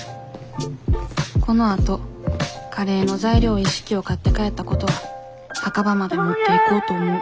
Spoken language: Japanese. このあとカレーの材料一式を買って帰ったことは墓場まで持っていこうと思う